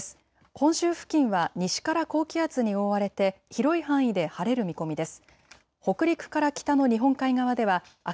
本州付近は西から高気圧に覆われて広い範囲で晴れる見込みです。